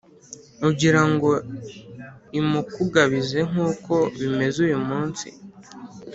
ugira ngo imukugabize nk’uko bimeze uyu munsi.